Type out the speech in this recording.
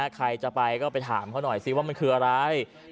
ใครจะไปก็ไปถามเขาหน่อยสิว่ามันคืออะไร